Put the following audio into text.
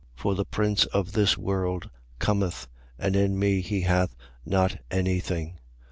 For the prince of this world: cometh: and in me he hath not any thing.